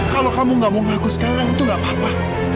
kalau kamu gak mau ngaku sekarang itu gak apa apa